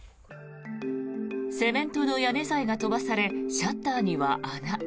セメントの屋根材が飛ばされシャッターには穴。